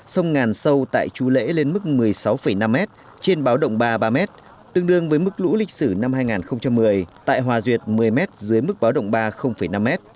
sông ngàn sâu tại chu lễ lên mức một mươi sáu năm m trên báo động ba ba m tương đương với mức lũ lịch sử năm hai nghìn một mươi tại hòa duyệt một mươi m dưới mức báo động ba năm m